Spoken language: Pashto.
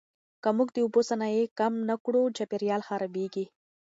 که موږ د اوبو ضایع کم نه کړو، چاپیریال خرابېږي.